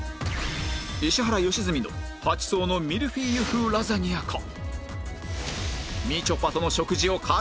石原良純の８層のミルフィーユ風ラザニアか？